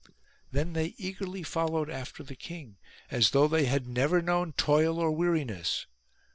Then they eagerly followed after the king as though they had never known toil or weariness.